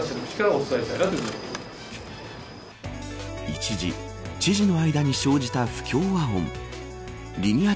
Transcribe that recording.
一時、知事の間に生じた不協和音リニア